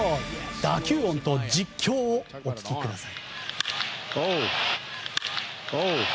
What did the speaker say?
打球音と実況をお聞きください。